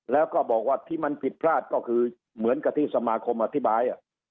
แล้วก็บอกว่าที่มันผิดพลาดก็คือเหมือนกับที่สมาคมอธิบาย